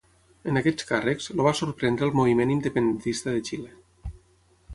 En aquests càrrecs, el va sorprendre el moviment independentista de Xile.